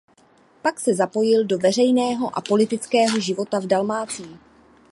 Pak se zapojil do veřejného a politického života v Dalmácii.